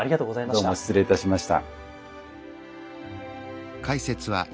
どうも失礼いたしました。